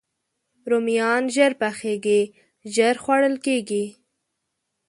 رومیان ژر پخېږي، ژر خوړل کېږي